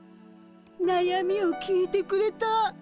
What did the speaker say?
なやみを聞いてくれた。